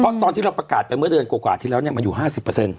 เพราะตอนที่เราประกาศไปเมื่อเดือนกว่าทีแล้วเนี้ยมันอยู่ห้าสิบเปอร์เซ็นต์